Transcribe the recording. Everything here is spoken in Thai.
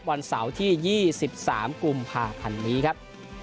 วันเสาร์ที่๒๓กุมภาพันธ์นี้ครับ